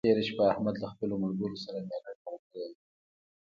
تېره شپه احمد له خپلو ملګرو سره مېله جوړه کړې وه.